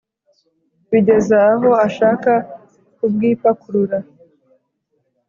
bigeza aho ashaka kubwipakurura